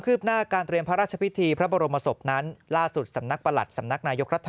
ืบหน้าการเตรียมพระราชพิธีพระบรมศพนั้นล่าสุดสำนักประหลัดสำนักนายกรัฐ